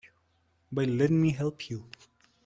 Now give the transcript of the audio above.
By letting me help you.